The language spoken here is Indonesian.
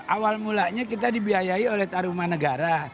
awal mulanya kita dibiayai oleh taruman negara